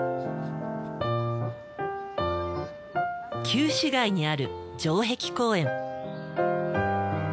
旧市街にある城壁公園。